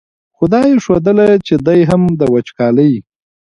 خو دا یې ښودله چې دی هم د وچکالۍ.